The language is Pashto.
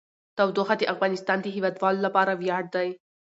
تودوخه د افغانستان د هیوادوالو لپاره ویاړ دی.